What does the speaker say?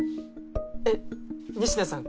えっ仁科さん